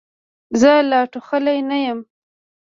زه لا ټوخلې نه یم.